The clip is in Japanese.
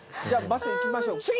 じゃあバス行きましょう。